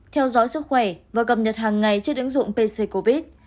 theo dõi sức khỏe và cập nhật hàng ngày trên ứng dụng pc covid